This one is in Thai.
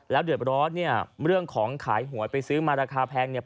แล้วเรื่องของขายหวยไปซื้อมาราคาแพงเนี่ย